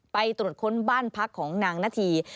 ไปตรวจค้นบ้านพักของนางนาธี